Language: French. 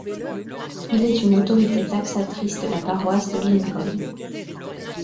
Il est une autorité taxatrice de la paroisse de Lincoln.